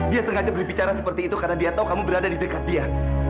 dia sengaja berbicara seperti itu karena dia tahu kamu berada di dekat dia